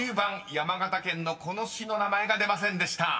山形県のこの市の名前が出ませんでした］